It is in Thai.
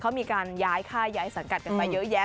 เขามีการใช้ค่ายใช้สันกัดไปเยอะแยะ